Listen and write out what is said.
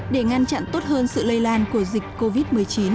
để ngăn chặn tốt hơn sự lây lan của dịch covid một mươi chín